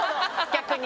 逆に。